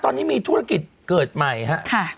ตอนนี้มีธุรกิจเกิดใหม่ครับ